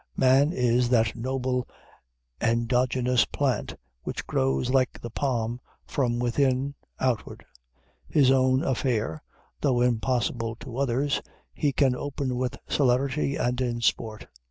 Man is that noble endogenous plant which grows, like the palm, from within outward. His own affair, though impossible to others, he can open with celerity and in sport.